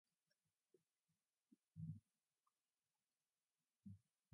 Diana, like Artemis, was a goddess of fertility in general.